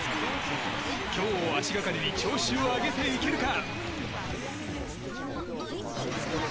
今日を足掛かりに調子を上げていけるか。